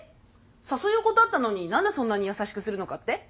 誘いを断ったのに何でそんなに優しくするのかって？